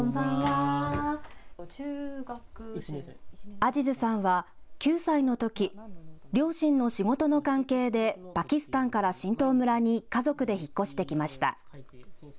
アジズさんは９歳のとき両親の仕事の関係でパキスタンから榛東村に家族で引っ越してきました。